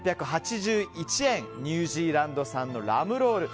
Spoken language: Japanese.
ニュージーランド産のラムロール。